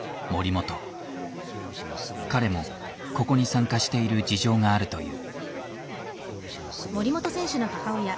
彼もここに参加している事情があるという。